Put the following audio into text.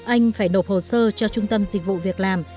anh phải nộp hồ sơ cho trung tâm dịch vụ việc làm